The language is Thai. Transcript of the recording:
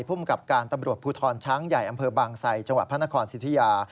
ภูมิกับการตำรวจภูทรช้างใหญ่อำเภอบางไซจังหวัดพระนครสิทธิยา